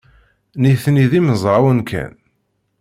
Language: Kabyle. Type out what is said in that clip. Nitni d imezrawen kan.